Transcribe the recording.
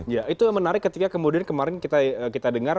ya itu yang menarik ketika kemudian kemarin kita dengar